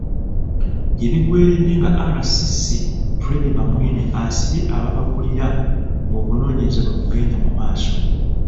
Gye biggweeredde nga RCC, Fred Bamwine asibye ababakulira ng'okunoonyereza bwe kugenda mu maaso.